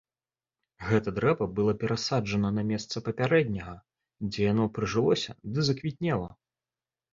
Гэта дрэва было перасаджана на месца папярэдняга, дзе яно прыжылося ды заквітнела.